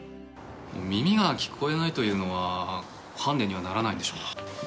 耳が聞こえないというのはハンディにはならないんでしょうか。